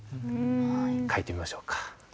書いてみましょうか。